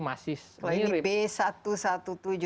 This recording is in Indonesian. masih kalau ini b satu ratus tujuh belas